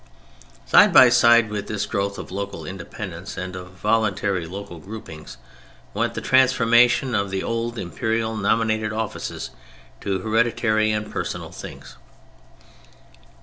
Side by side with this growth of local independence and of voluntary local groupings, went the transformation of the old imperial nominated offices into hereditary and personal things.